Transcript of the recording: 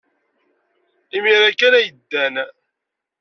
Imir-a kan ay ddan.